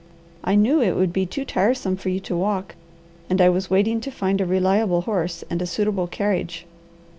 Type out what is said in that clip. I knew it would be too tiresome for you to walk, and I was waiting to find a reliable horse and a suitable carriage."